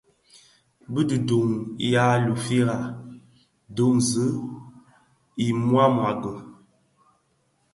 Bi duň yi a lufira, duñzi a mwadingusha,